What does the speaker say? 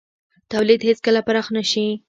تولید هېڅکله پراخ نه شي.